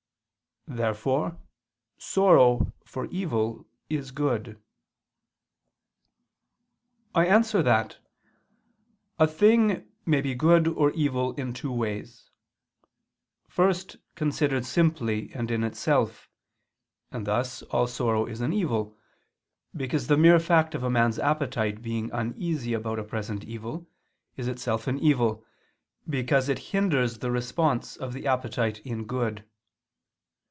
Therefore sorrow for evil is good. I answer that, A thing may be good or evil in two ways: first considered simply and in itself; and thus all sorrow is an evil, because the mere fact of a man's appetite being uneasy about a present evil, is itself an evil, because it hinders the response of the appetite in good.